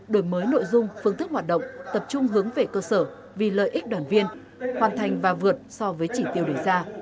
đổi mới nội dung phương thức hoạt động tập trung hướng về cơ sở vì lợi ích đoàn viên hoàn thành và vượt so với chỉ tiêu đề ra